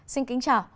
xin kính chào